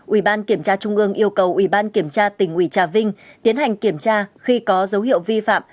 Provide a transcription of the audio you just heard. ủy ban kiểm tra trung ương yêu cầu ủy ban kiểm tra tỉnh ủy trà vinh tiến hành kiểm tra khi có dấu hiệu vi phạm